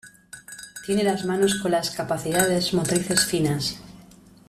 Tiene las manos con las capacidades motrices finas.